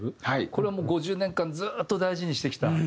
これはもう５０年間ずっと大事にしてきた。